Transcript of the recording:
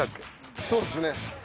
そうですね。